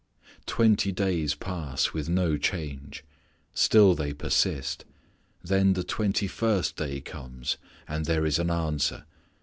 Twenty days pass, with no change. Still they persist. Then the twenty first day comes and there is an answer.